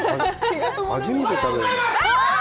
初めて食べる！